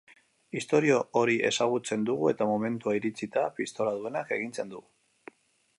Istorio hori ezagutzen dugu eta momentua iritsita, pistola duenak agintzen du.